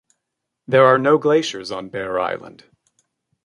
There are no glaciers on Bear Island.